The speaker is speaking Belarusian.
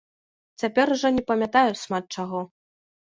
Цяпер ужо не памятаю шмат чаго.